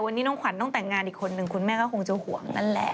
วันนี้น้องขวัญต้องแต่งงานอีกคนนึงคุณแม่ก็คงจะห่วงนั่นแหละ